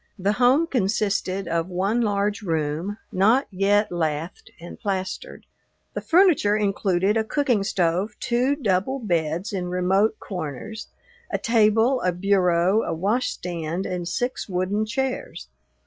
The home consisted of one large room, not yet lathed and plastered. The furniture included a cooking stove, two double beds in remote corners, a table, a bureau, a washstand, and six wooden chairs.